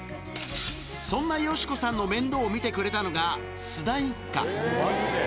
そんな佳子さんの面倒を見てくれたのが、津田一家。